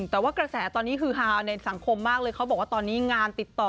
แต่ว่ากระแสตอนนี้คือฮาในสังคมมากเลยเขาบอกว่าตอนนี้งานติดต่อ